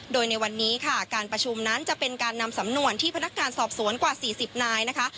โดยในวันนี้ค่ะการประชุมนั้นจะเป็นการนำสำนวนที่พนักงานสอบสวนกว่า๔๐นายนะคะ